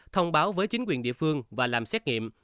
thông báo với chính quyền địa phương và làm xét nghiệm